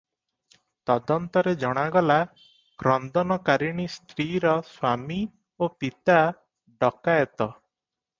ତଦନ୍ତରେ ଜଣାଗଲା, କ୍ରନ୍ଦନକାରିଣୀ ସ୍ତ୍ରୀର ସ୍ୱାମୀ ଓ ପିତା ଡକାଏତ ।